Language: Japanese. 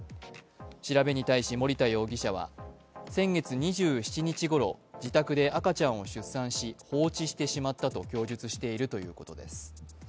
調べに対し森田容疑者は先月２７日ごろ自宅で赤ちゃんを出産し放置してしまったと供述しているということです。